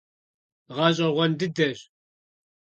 Гъэщӏэгъуэн дыдэщ.